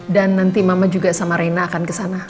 dan nanti mama juga sama reina akan kesana